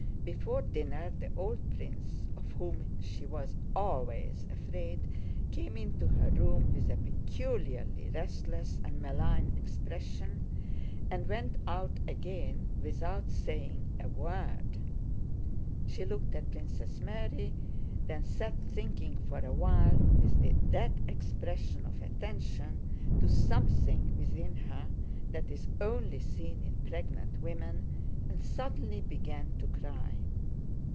Before dinner the old prince, of whom she was always afraid, came into her room with a peculiarly restless and malign expression and went out again without saying a word. She looked at Princess Mary, then sat thinking for a while with that expression of attention to something within her that is only seen in pregnant women, and suddenly began to cry.